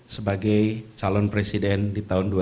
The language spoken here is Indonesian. sebagai calon presiden di tahun dua ribu